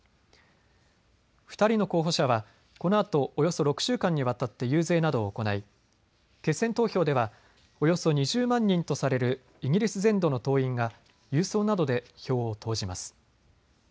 ２人の候補者はこのあとおよそ６週間にわたって遊説などを行い決選投票ではおよそ２０万人とされるイギリス全土の党員が郵送などで票を投じます。